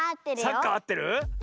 サッカーあってる？